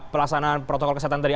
pelaksanaan protokol kesehatan tadi